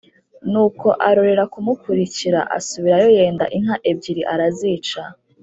Nuko arorera kumukurikira, asubirayo yenda inka ebyiri arazica